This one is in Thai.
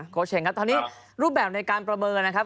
เชงครับตอนนี้รูปแบบในการประเมินนะครับ